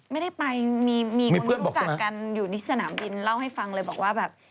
ไม่ได้ไปมีคนรู้จักกันอยู่ในสนามบินเล่าให้ฟังเลยบอกว่าแบบ